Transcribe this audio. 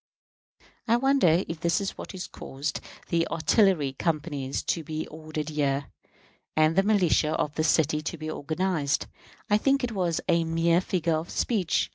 I wonder if this is what caused the artillery companies to be ordered here, and the militia of this city to be organized? I think it was a mere figure of speech.